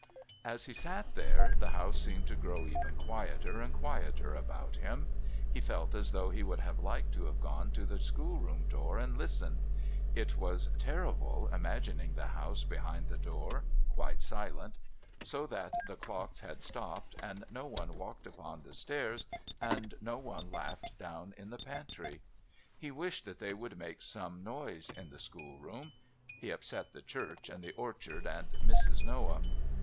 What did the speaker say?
As he sat there the house seemed to grow ever quieter and quieter about him. He felt as though he would have liked to have gone to the schoolroom door and listened. It was terrible imagining the house behind the door quite silent so that the clocks had stopped, and no one walked upon the stairs and no one laughed down in the pantry. He wished that they would make more noise in the schoolroom. He upset the church and the orchard and Mrs. Noah.